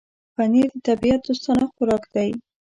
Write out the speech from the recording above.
پنېر د طبيعت دوستانه خوراک دی.